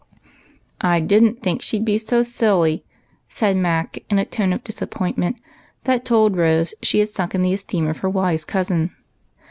" I did n't think she 'd be so silly," said Mac, in a tone of disappointment that told Rose she had sunk in the esteem of her wise cousin.